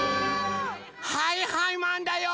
はいはいマンだよ！